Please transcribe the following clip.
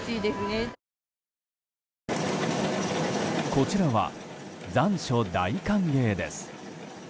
こちらは残暑大歓迎です。